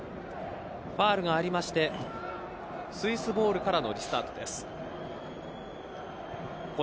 ファウルがありましてスイスボールからのリスタートです。